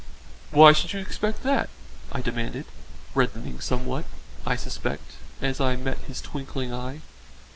"Why should you expect that?" I demanded, reddening somewhat, I suspect, as I met his twinkling eye.